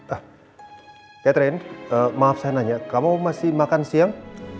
ah catherine maaf saya nanya kamu masih makan siang